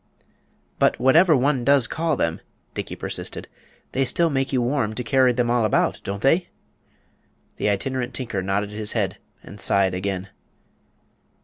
"But whatever one does call them," Dickey persisted, "they still make you warm to carry them all about, don't they?" The Itinerant Tinker nodded his head and sighed again.